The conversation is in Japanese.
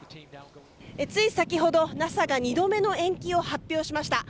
つい先ほど、ＮＡＳＡが２度目の延期を発表しました。